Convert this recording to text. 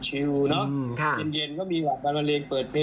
เลี้ยวขวามาประมาณ๓๐๐เมตร